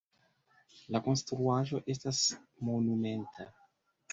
La konstruaĵo estas monumenta.